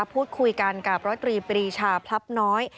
พูดคุยกันกับร้อยตรีปรีชาพลับน้อย